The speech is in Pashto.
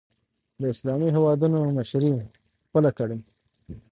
د اسلامي هېوادونو مشري خپله کړي